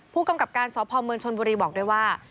ผู้กำกับการสคมลชนบรีบอกว่า